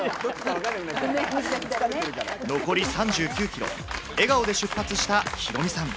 残り３９ｋｍ、笑顔で出発したヒロミさん。